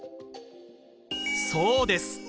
そうです！